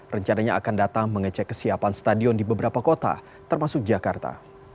rencananya akan datang mengecek kesiapan stadion di beberapa kota termasuk jakarta